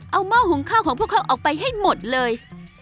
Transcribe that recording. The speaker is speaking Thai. เอาหม้อหุงข้าวของพวกเขาออกไปให้หมดเลย